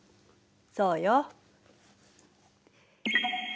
そうよ。